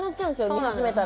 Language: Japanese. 見始めたら。